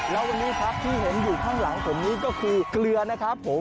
แล้ววันนี้ครับที่เห็นอยู่ข้างหลังผมนี้ก็คือเกลือนะครับผม